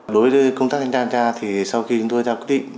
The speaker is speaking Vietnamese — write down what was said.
đối với công tác thanh tra sau khi chúng tôi đã quyết định